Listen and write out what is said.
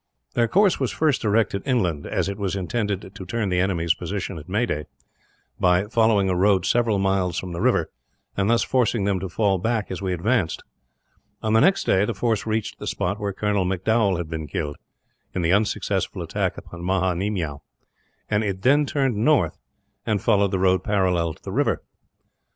Their course was first directed inland; as it was intended to turn the enemy's position at Meaday, by following a road several miles from the river, and thus forcing them to fall back as we advanced. On the next day the force reached the spot where Colonel M'Dowall had been killed, in the unsuccessful attack upon Maha Nemiow; and it then turned north, and followed the road parallel to the river.